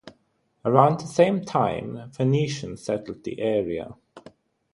Around the same time, Phoenicians settled the area.